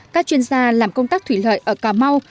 các chuyên gia làm công tác thủy lợi ở cà mau